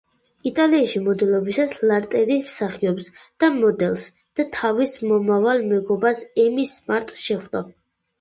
იტალიაში მოდელობისას, ლარტერი მსახიობს და მოდელს, და თავის მომავალ მეგობარს, ემი სმარტს შეხვდა.